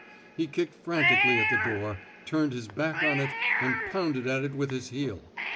He kicked frantically at the door, turned his back on it and pounded at it with his heel.